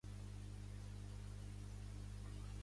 Em dic Irene Petrov: pe, e, te, erra, o, ve baixa.